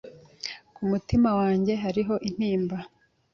ku mutima wanjye hariho intimba